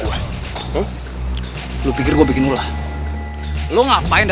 ya tapi lo udah kodok sama ceweknya